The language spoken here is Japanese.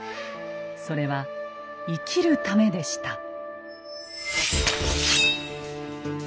それは生きるためでした。